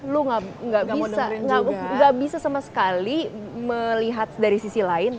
lu nggak bisa sama sekali melihat dari sisi lain